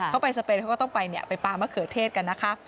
เขาไปสเปนเขาก็ต้องไปไปปลามะเขือเทศกันนะคะ